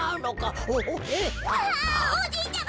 あおじいちゃま！